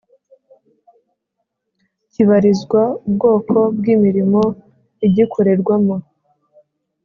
kibarizwa ubwoko bw imirimo igikorerwamo.